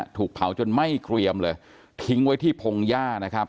ถูกเผาจนไหม้เกรียมเลยทิ้งไว้ที่พงหญ้านะครับ